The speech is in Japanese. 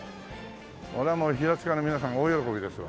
こりゃもう平塚の皆さん大喜びですわ。